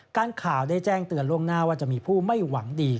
การข่าวได้แจ้งเตือนล่วงหน้าว่าจะมีผู้ไม่หวังดี